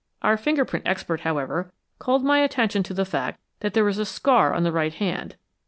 Our finger print expert, however, called my attention to the fact that there is a scar on the right hand.